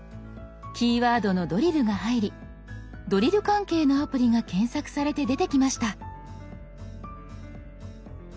キーワードの「ドリル」が入りドリル関係のアプリが検索されて出てきました。